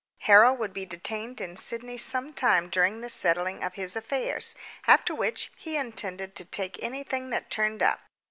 Harold would be detained in Sydney some time during the settling of his affairs, after which he intended to take anything that turned up.